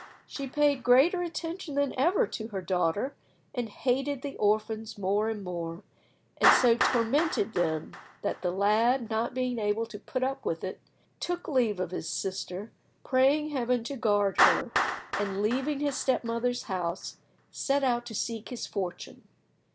She paid greater attention than ever to her daughter, and hated the orphans more and more, and so tormented them that the lad, not being able to put up with it, took leave of his sister, praying Heaven to guard her, and, leaving his step mother's house, set out to seek his fortune.